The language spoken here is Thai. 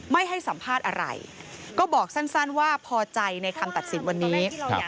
ไม่ให้สัมภาษณ์อะไรก็บอกสั้นว่าพอใจในคำตัดสินวันนี้